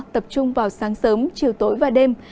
tập trung vào sáng sớm chiều tối và đêm